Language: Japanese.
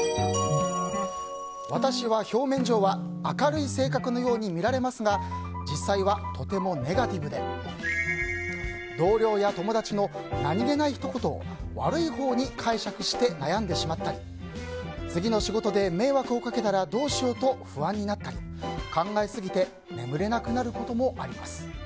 私は表面上は明るい性格のように見られますが実際はとてもネガティブで同僚や友達の何気ないひと言を悪いほうに解釈して悩んでしまったり次の仕事で迷惑をかけたらどうしようと不安になったり、考えすぎて眠れなくなることもあります。